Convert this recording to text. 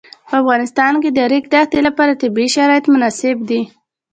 په افغانستان کې د د ریګ دښتې لپاره طبیعي شرایط مناسب دي.